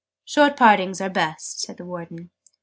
"Short partings are best," said the Warden.